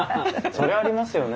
そりゃあありますよね。